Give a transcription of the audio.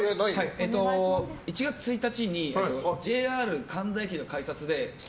１月１日にＪＲ神田駅の改札でえー！